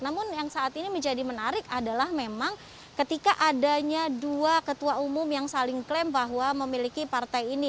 namun yang saat ini menjadi menarik adalah memang ketika adanya dua ketua umum yang saling klaim bahwa memiliki partai ini